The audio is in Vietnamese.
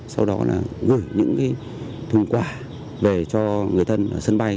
sau đó gửi những thùng quà về cho người thân ở sân bay